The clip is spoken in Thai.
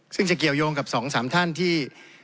ซึ่งจะเกี่ยวยงกับ๒๓ท่านที่